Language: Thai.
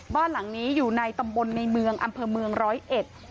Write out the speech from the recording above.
บ้านหลังนี้อยู่ในตำบลในเมืองอำเภอเมืองร้อยเอ็ด